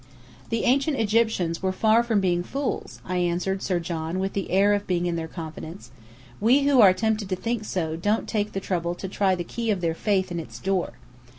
"The Ancient Egyptians were far from being fools," I answered Sir John with the air of being in their confidence. "We who are tempted to think so, don't take the trouble to try the key of their Faith in its door.